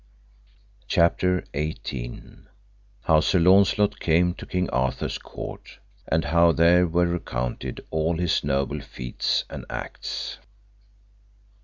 CHAPTER XVIII. How Sir Launcelot came to King Arthur's Court, and how there were recounted all his noble feats and acts.